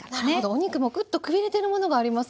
お肉もぐっとくびれてるものがありますもんね。